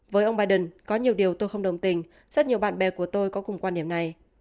với ông biden có nhiều điều tôi không đồng tình rất nhiều bạn bè của tôi có cùng quan điểm này